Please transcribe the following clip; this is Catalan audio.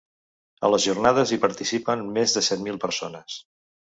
A les jornades hi participen més de set mil persones.